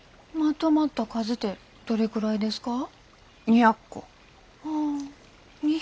まとまった数てどれくらいですか？